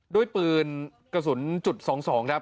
ด้วยปืนกระสุนจุด๒๒ครับ